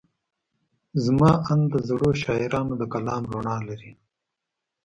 زما اند د زړو شاعرانو د کلام رڼا لري.